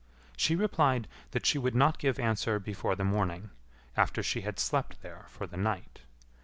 She replied that she would not give answer before the morning, after she had slept there for the night.